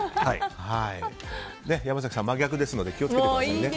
山崎さん、真逆ですので気を付けてくださいね。